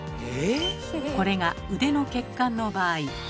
これが腕の血管の場合。